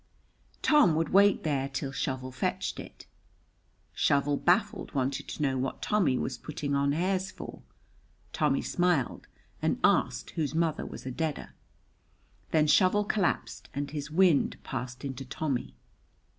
Tommy would wait there till Shovel fetched it. Shovel, baffled, wanted to know what Tommy was putting on hairs for. Tommy smiled, and asked whose mother was a deader. Then Shovel collapsed, and his wind passed into Tommy.